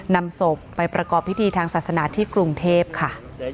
นำศพไปประกอบพิธีทางศาสนาที่กรุงเทพค่ะ